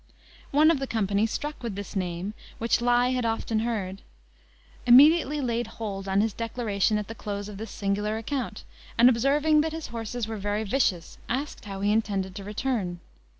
One of the company, struck with this name, which he had often heard, immediately laid hold on his declaration at the close of this singular account, and, observing that his horses were very vicious, asked how he intended to return.